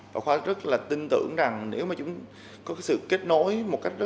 và khoa rất là tin tưởng rằng nếu mà chúng có sự kết nối một cách rất là